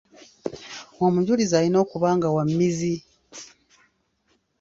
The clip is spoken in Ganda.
Omujulizi alina okuba nga wa mmizi.